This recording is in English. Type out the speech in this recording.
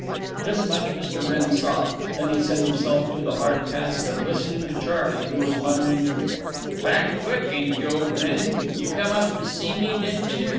This much Mr. Wrenn saw. Then he set himself to the hard task of listening to Charley, who was muttering: "Back quick, ain't you, ol' Wrenn? You come up to see me, didn't you?